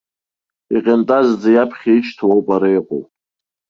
Иҟьантазӡа иаԥхьа ишьҭоу ауп ара иҟоу.